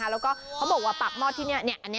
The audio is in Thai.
แล้วก็เขาบอกว่าปากหม้อที่นี่